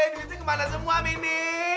duitnya kemana semua mini